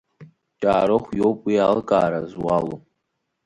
Ҷаарыхә иоуп уи аилкаара зуалу…